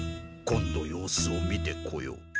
今度様子を見てこよう。